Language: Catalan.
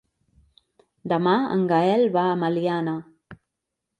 Demà en Gaël va a Meliana.